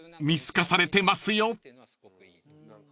見透かされてますよ］